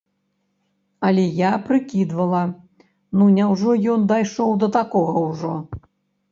Але я прыкідвала, ну няўжо ён дайшоў да такога ўжо?